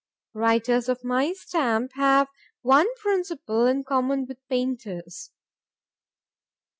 ——Writers of my stamp have one principle in common with painters.